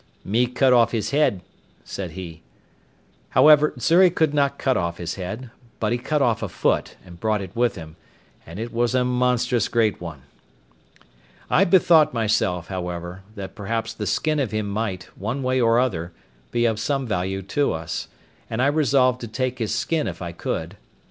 "Me cut off his head," said he. However, Xury could not cut off his head, but he cut off a foot, and brought it with him, and it was a monstrous great one. I bethought myself, however, that, perhaps the skin of him might, one way or other, be of some value to us; and I resolved to take off his skin if I could.